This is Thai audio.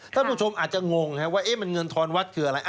ท่านผู้ชมอาจจะงงว่ามันเงินทอนวัดคืออะไร